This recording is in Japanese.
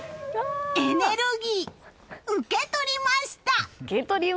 エネルギー、受け取りました！